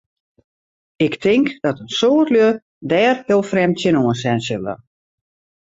Ik tink dat in soad lju dêr heel frjemd tsjinoan sjen sille.